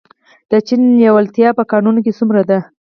د چین لیوالتیا په کانونو کې څومره ده؟